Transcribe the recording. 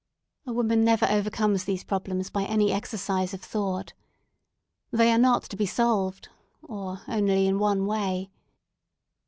A woman never overcomes these problems by any exercise of thought. They are not to be solved, or only in one way.